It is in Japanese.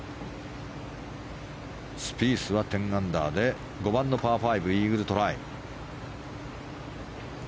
スピースは１０アンダーで５番のパー５イーグルトライ。